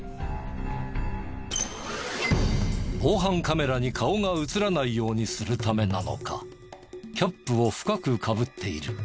防犯カメラに顔が映らないようにするためなのかキャップを深くかぶっている。